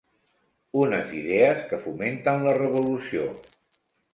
Unes idees que fomenten la revolució.